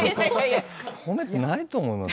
褒めてないと思います。